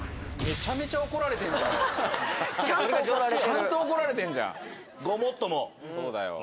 ちゃんと怒られてんじゃん。